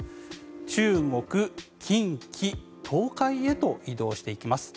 中国、近畿、東海へと移動していきます。